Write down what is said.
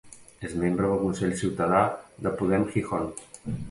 És membre del Consell Ciutadà de Podem Gijón.